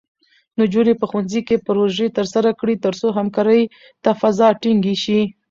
نجونې په ښوونځي کې پروژې ترسره کړي، ترڅو همکارۍ فضا ټینګې شي.